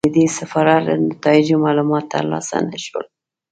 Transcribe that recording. د دې سفارت له نتایجو معلومات ترلاسه نه شول.